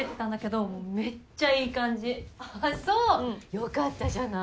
よかったじゃない。